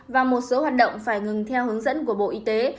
và một số hoạt động phải ngừng theo hướng dẫn của bộ y tế